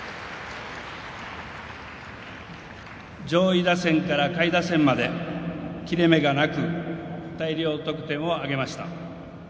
上位打線から下位打線まで切れ目がなく大量得点を挙げました。